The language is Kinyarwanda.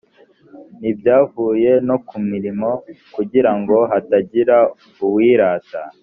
ntibyavuye no ku mirimo kugira ngo hatagira uwirata